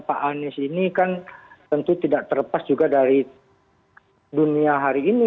pak anies ini kan tentu tidak terlepas juga dari dunia hari ini